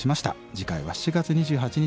次回は７月２８日